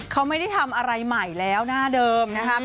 เขาไม่ได้ทำอะไรใหม่แล้วหน้าเดิมนะครับ